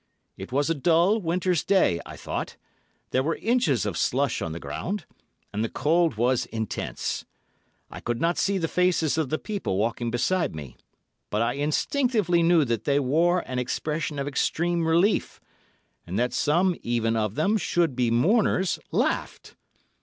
It was a dull, winter's day, I thought; there were inches of slush on the ground, and the cold was intense. I could not see the faces of the people walking beside me, but I instinctively knew that they wore an expression of extreme relief, and that some even of them should be mourners laughed.